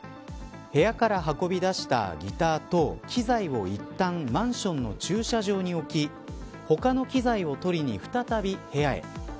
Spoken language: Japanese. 部屋から運び出したギターと機材をいったん、マンションの駐車場に置き他の機材を取りに再び部屋へ。